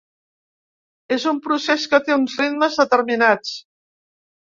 És un procés que té uns ritmes determinats.